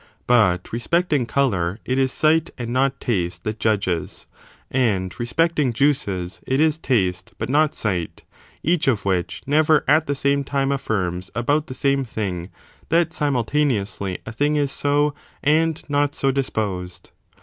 But respecting colour it is sight and not taste that judges ; and respect ing juices it is taste but not sight, each of which never at the same time affirms about the same thing that simultaneously a thing is so and not so disposed.